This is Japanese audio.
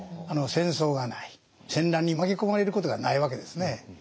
戦争がない戦乱に巻き込まれることがないわけですね。